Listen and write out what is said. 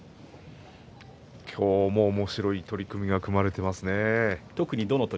今日もおもしろい取組が組まれていますね。